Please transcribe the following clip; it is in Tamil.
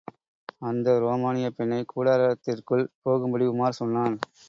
அந்த ரோமானியப் பெண்ணை, கூடாரத்திற்குள் போகும்படி உமார் சொன்னான்.